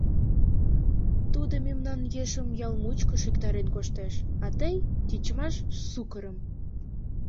Тудо мемнан ешым ял мучко шӱктарен коштеш, а тый — тичмаш сукырым!